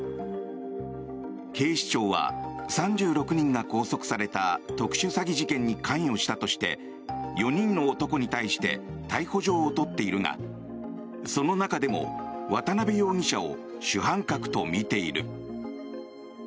警視庁は、３６人が拘束された特殊詐欺事件に関与したとして４人の男に対して逮捕状を取っているがその中でも渡邉容疑者を主犯格とみている。